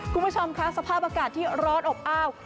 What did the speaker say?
คุณผู้ชมค่ะสภาพอากาศที่ร้อนอบอ้าว